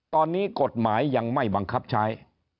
ตอนนี้กฎหมายยังไม่บังคับใช้